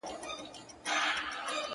هغه چي په لفظونو کي بې هم پښه وهل~